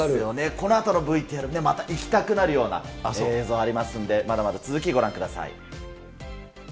このあとのＶＴＲ、また行きたくなるような映像ありますんで、まだまだ続き、ご覧ください。